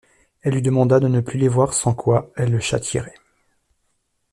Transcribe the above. Elle lui demanda de ne plus les voir sans quoi elle le châtierait.